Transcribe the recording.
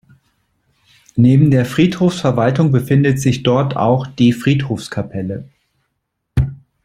Neben der Friedhofsverwaltung befindet sich dort auch die Friedhofskapelle.